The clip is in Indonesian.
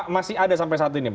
masih ada sampai saat ini pak